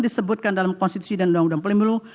disebutkan dalam konstitusi dan undang undang pemilu